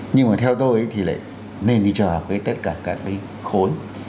nhưng mà theo tôi thì lại nên đi trò học với tất cả các cái khối